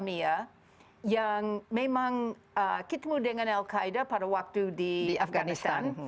yang memang ketemu dengan al qaeda pada waktu di afganistan